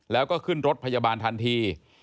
แล้วก็ขึ้นรถพยาบาลทันที